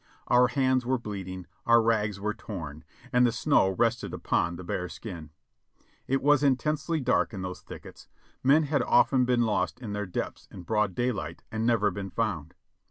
Our hands were bleeding, our rags were torn, and the snow rested upon the bare skin. It was intensely dark in those thick ets ; men had often been lost in their depths in broad day light and never been found.